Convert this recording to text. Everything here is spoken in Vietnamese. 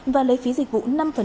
và lấy phí dịch vụ năm